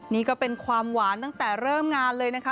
นี่ก็เป็นความหวานตั้งแต่เริ่มงานเลยนะคะ